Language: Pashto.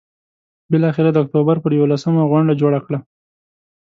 بالآخره د اکتوبر پر یوولسمه غونډه جوړه کړه.